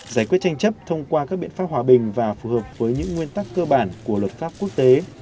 giải quyết tranh chấp thông qua các biện pháp hòa bình và phù hợp với những nguyên tắc cơ bản của luật pháp quốc tế